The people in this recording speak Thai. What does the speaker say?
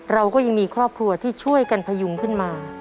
เราก็ยังมีครอบครัวที่ช่วยกันพยุงขึ้นมา